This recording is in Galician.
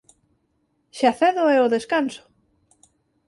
Xa cedo é o descanso.